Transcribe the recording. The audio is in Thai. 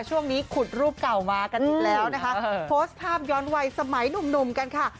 ช่วงนี้ขุดรูปเก่ามากันแล้วนะคะโพสต์ภาพย้อนวัยสมัยหนุ่มกันค่ะ